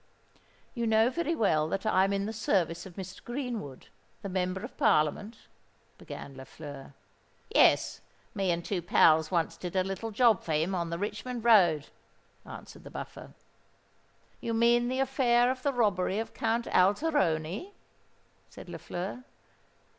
"You know very well that I am in the service of Mr. Greenwood, the Member of Parliament?" began Lafleur. "Yes—me and two pals once did a little job for him on the Richmond road," answered the Buffer. "You mean the affair of the robbery of Count Alteroni?" said Lafleur.